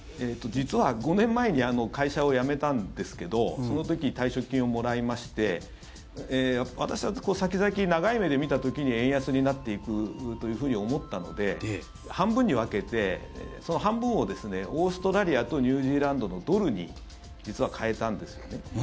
実は、５年前に会社を辞めたんですけどその時、退職金をもらいまして私は先々、長い目で見た時に円安になっていくというふうに思ったので半分に分けて、その半分をオーストラリアとニュージーランドのドルに実は替えたんですよね。